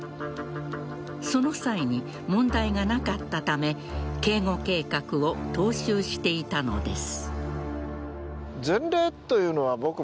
その際に問題がなかったため警護計画を踏襲していたのです。